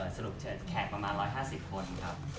สรุปเชิญแขกประมาณ๑๕๐คนครับ